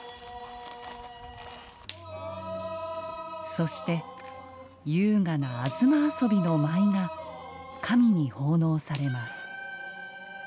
そして、優雅な東游の舞が神に奉納されます。